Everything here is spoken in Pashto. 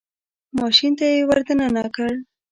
ماشین ته یې ور دننه کړ.